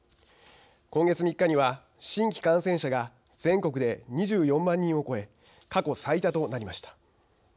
今月３日には新規感染者が全国で２４万人を超え過去最多となりました。